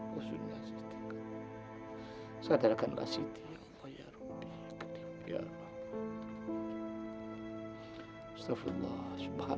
khususnya anak anak ya allah